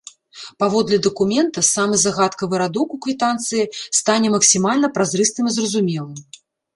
Паводле дакумента, самы загадкавы радок у квітанцыі стане максімальна празрыстым і зразумелым.